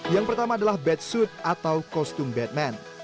yang pertama adalah batsuit atau kostum batman